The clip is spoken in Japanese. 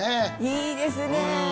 いいですね。